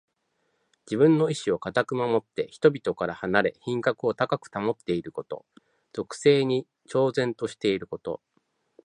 自分の意志をかたく守って、人々から離れ品格を高く保っていること。俗世に超然としていること。